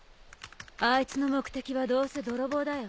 あいつの目的はどうせ泥棒だよ。